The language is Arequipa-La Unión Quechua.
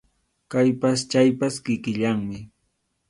Kaypas chaypas kikillanmi.